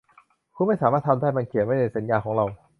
คุณไม่สามารถทำได้มันเขียนไว้ในสัญญาของเรา